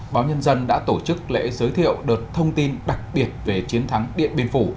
báo nhân dân đã tổ chức lễ giới thiệu đợt thông tin đặc biệt về chiến thắng điện biên phủ